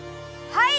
はい！